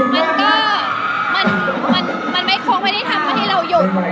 มันก็มันไม่คงไม่ได้ทำให้เราหยุด